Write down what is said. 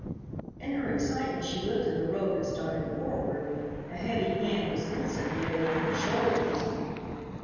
In her excitement she lifted the rope and started forward. A heavy hand was instantly laid on her shoulders.